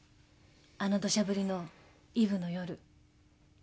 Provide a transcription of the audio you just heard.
あのどしゃ降りのイブの夜。